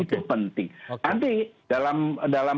itu penting nanti dalam